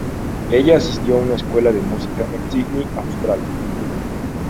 Ella asistió a una escuela de música en Sydney, Australia.